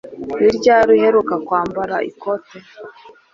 Ni ryari uheruka kwambara ikote?